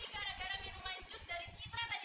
jangan diminum bu citra mohon